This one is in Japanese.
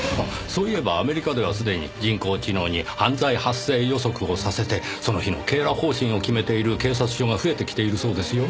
そういえばアメリカではすでに人工知能に犯罪発生予測をさせてその日の警ら方針を決めている警察署が増えてきているそうですよ。